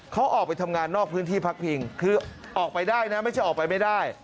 เขาออกไปทำงานนอกพื้นที่พักพิงคือออกไปได้นะไม่ใช่ออกไปไม่ได้